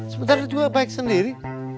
sebenarnya juga baik sendiri